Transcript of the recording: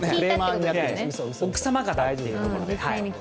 奥様方ということで。